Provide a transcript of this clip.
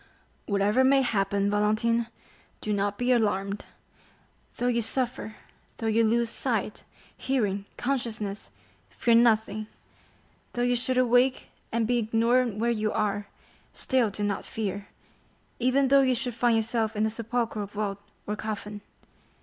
"Whatever may happen, Valentine, do not be alarmed; though you suffer; though you lose sight, hearing, consciousness, fear nothing; though you should awake and be ignorant where you are, still do not fear; even though you should find yourself in a sepulchral vault or coffin.